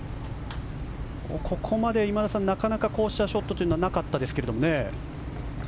ここまで今田さん、なかなかこうしたショットというのはなかったですけどね。